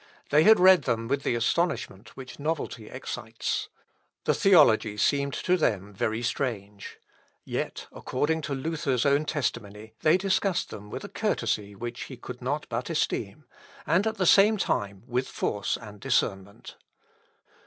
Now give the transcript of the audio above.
They had read them with the astonishment which novelty excites. The theology seemed to them very strange. Yet according to Luther's own testimony, they discussed them with a courtesy which he could not but esteem; and, at the same time, with force and discernment.